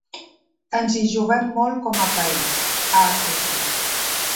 Ens hi juguem molt com a país, ha afegit.